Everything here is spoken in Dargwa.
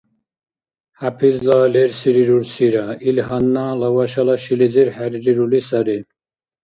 ХӀяпизла лерсири рурсира, ил гьанна Лавашала шилизир хӀеррирули сари.